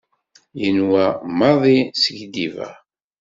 Yenwa maḍi skiddibeɣ.